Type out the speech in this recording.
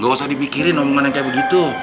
gak usah dipikirin omongan yang kayak begitu